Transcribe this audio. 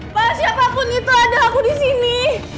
pak siapapun itu ada aku disini